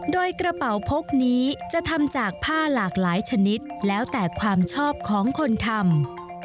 โดยกระเป๋าพกนี้จะทำจากผ้าหลากหลายชนิดแล้วแต่ความชอบของคนทำ